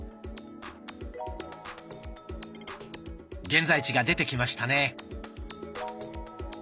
現在地が出てきましたね。